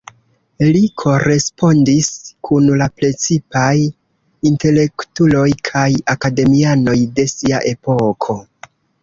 Li korespondis kun la precipaj intelektuloj kaj akademianoj de sia epoko.